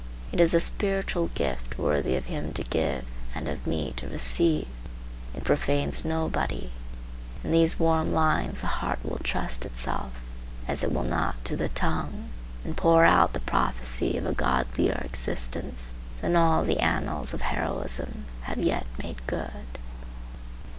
It is a spiritual gift worthy of him to give and of me to receive. It profanes nobody. In these warm lines the heart will trust itself, as it will not to the tongue, and pour out the prophecy of a godlier existence than all the annals of heroism have yet made good.